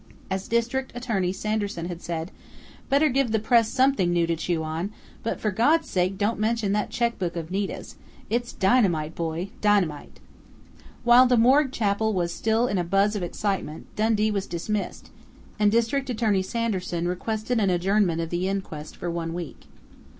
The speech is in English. As District Attorney Sanderson had said; "Better give the press something new to chew on, but for God's sake don't mention that checkbook of Nita's. It's dynamite, boy dynamite!" While the morgue chapel was still in a buzz of excitement, Dundee was dismissed, and District Attorney Sanderson requested an adjournment of the inquest for one week.